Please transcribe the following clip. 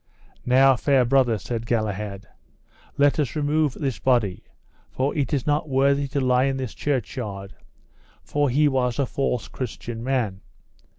Now, fair brother, said Galahad, let us remove this body, for it is not worthy to lie in this churchyard, for he was a false Christian man.